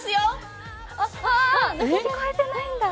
聞こえてないんだ！